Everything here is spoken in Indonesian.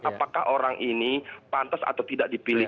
apakah orang ini pantas atau tidak dipilih